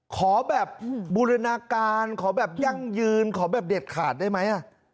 ขอแบบบูรณาการขอแบบยั่งยืนขอแบบเด็ดขาดได้ไหม